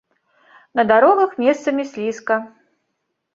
На дарогах месцамі слізка.